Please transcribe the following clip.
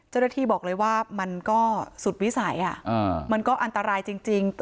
เจ้าหน้าที่บอกเลยว่ามันก็สุดวิสัยมันก็อันตรายจริง